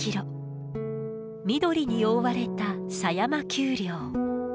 緑に覆われた狭山丘陵。